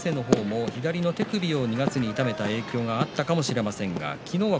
明生の方も左の手首を痛めた影響があったかもしれません。